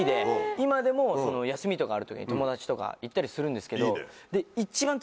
今でも休みある時に友達とかと行ったりするんですけど。